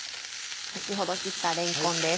先ほど切ったれんこんです。